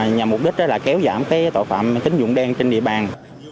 nhằm mục đích kéo dãn tội phạm tính dụng đen trên địa bàn